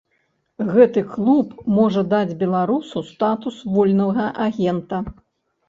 Гэты клуб можа даць беларусу статус вольнага агента.